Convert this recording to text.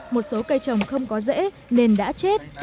một số cây trồng không có rễ nên đã chết